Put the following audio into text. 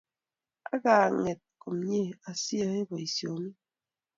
Ak aganget komnyei asiyae boisionik